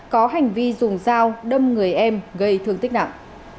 có hành vi dùng dao đâm người em gây thương tích nặng